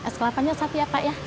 s delapan ya satu ya pak ya